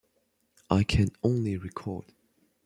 I can only record.